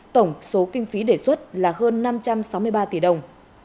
tổng số kinh phí đề xuất là hơn năm trăm sáu mươi ba tỷ đồng